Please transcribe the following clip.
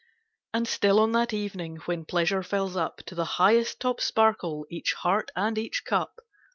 And still on that evening, when pleasure fills up ID To the highest top sparkle each heart and each cup.